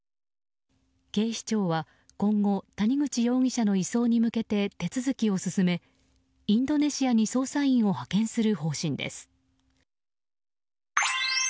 警視庁は今後谷口容疑者の移送に向けて手続きを進め、インドネシアに捜査員を派遣する方針です。